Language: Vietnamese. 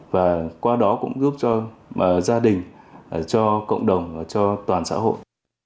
và qua đó cũng giúp cho gia đình cho cộng đồng và cho toàn xã hội